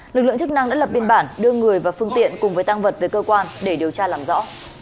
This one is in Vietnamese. lực lượng chức năng đã lập biên bản đưa người và phương tiện cùng với tăng vật về cơ quan để điều tra làm rõ